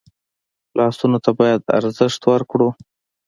لاسونه ته باید ارزښت ورکړو